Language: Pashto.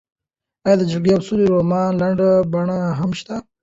ایا د جګړې او سولې رومان لنډه بڼه هم شته؟